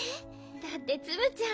だってツムちゃん